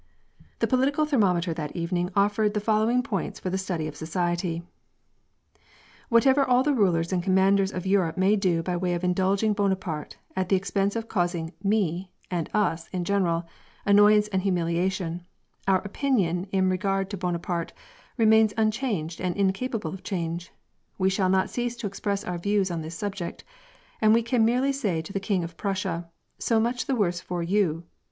The political thermometer that evening offered the follow ing points for the study of society, —" Whatever all the rulers and commanders of Europe may do by way of indulging Bonaparte, at the expense of causing me, and us in general, annoyance and humiliation, our opinion in re gard to Bonaparte remains unchanged and incapable of change. We shall not cease to express our views on tnis subject, and we can merely say to the King of Prussia :* So much tne worse for you.